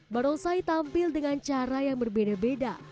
barongsai tampil dengan cara yang berbeda beda